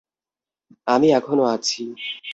আমি এখনো আছি!